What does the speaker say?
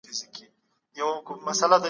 په لویه جرګه کي د دودونو درناوی څنګه کیږي؟